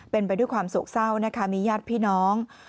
เป็นไปด้วยความโศกเศร้านะคะมีญาติพี่น้อง